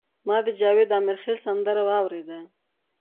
ما د جاوید امیرخیل سندره واوریده.